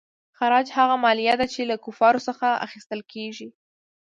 خراج هغه مالیه ده چې له کفارو څخه اخیستل کیږي.